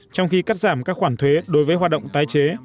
trong khi cắt giảm các khoản thuế đối với hoạt động tái chế